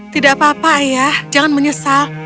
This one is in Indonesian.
tidak apa apa ayah jangan menyesal